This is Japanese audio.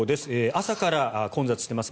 朝から混雑してます。